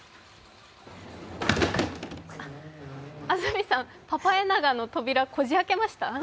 安住さん、パパエナガの扉こじ開けました？